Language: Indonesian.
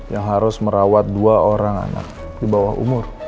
yang harus merawat dua orang anak di bawah umur